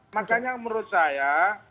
makanya menurut saya